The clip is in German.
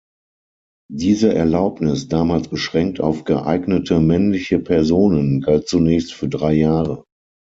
Diese Erlaubnis, damals beschränkt auf „geeignete männliche Personen“ galt zunächst für drei Jahre.